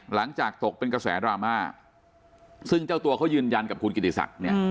หลังจากตกเป็นกระแสดราม่าซึ่งเจ้าตัวเขายืนยันกับคุณกิติศักดิ์เนี่ย